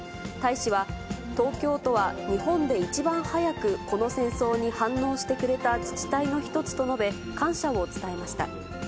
大使は、東京都は日本で一番早く、この戦争に反応してくれた自治体の一つと述べ、感謝を伝えました。